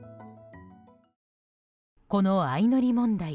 この相乗り問題